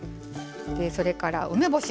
それから梅干し。